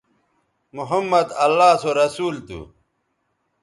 محمدؐ اللہ سو رسول تھو